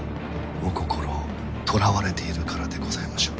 お心をとらわれているからでございましょう。